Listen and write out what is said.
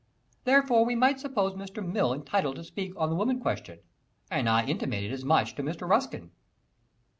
Therefore we might suppose Mr. Mill entitled to speak on the woman question, and I intimated as much to Mr. Ruskin.